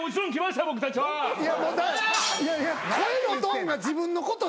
はい。